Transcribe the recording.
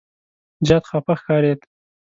زیات خفه ښکارېد.